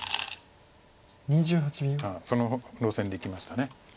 その路線でいきました。